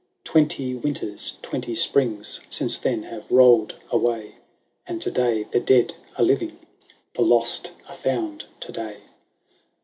Twenty winters, twenty springs. Since then have rolled away ; And to day the dead are living : The lost are found to day.